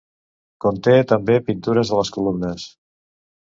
Conté també pintures a les columnes.